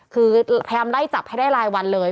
คือพยายามไล่จับให้ได้รายวันเลย